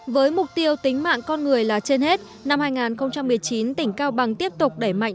với mục tiêu tính mạng con người là trên hết năm hai nghìn một mươi chín tỉnh cao bằng tiếp tục đẩy mạnh